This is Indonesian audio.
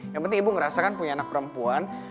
yang penting ibu ngerasakan punya anak perempuan